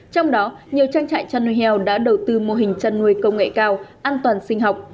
trong đó nhiều trang trại chăn nuôi heo đã đầu tư mô hình chăn nuôi công nghệ cao an toàn sinh học